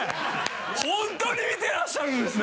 本当に見てらっしゃるんですね！